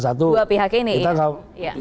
di dua pihak ini